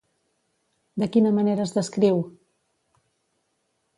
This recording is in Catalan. De quina manera es descriu?